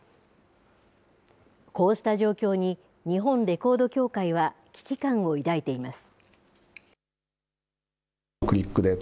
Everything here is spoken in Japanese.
こうした状況に日本レコード協会は危機感を抱いています。